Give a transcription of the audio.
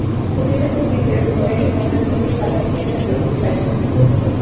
খুঁজিতে খুঁজিতে উমেশ হঠাৎ দূরে সাদা কী একটা দেখিতে পাইল।